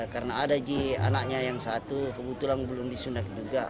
karena ada ji anaknya yang satu kebetulan belum disunat juga